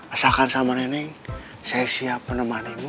asalkan sama nenek saya siap menemanimu